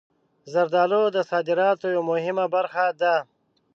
زردالو د صادراتو یوه مهمه برخه ده.